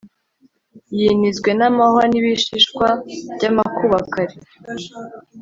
Yinizwe namahwa nibishishwa byamakuba kare